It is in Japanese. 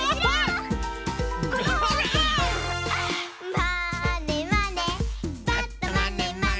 「まーねまね」